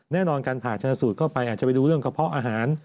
แน่นอนการผ่าชนะสูตรเข้าไปอาจจะไปดูเรื่องกระเพาะอาหาร